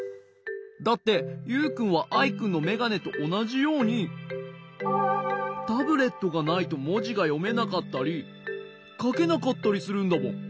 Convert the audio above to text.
だってユウくんはアイくんのめがねとおなじようにタブレットがないともじがよめなかったりかけなかったりするんだもん。